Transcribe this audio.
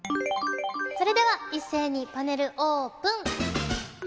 それでは一斉にパネルオープン。